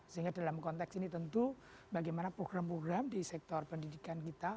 sehingga dalam konteks ini tentu bagaimana program program di sektor pendidikan kita